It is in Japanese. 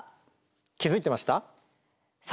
気付いてました？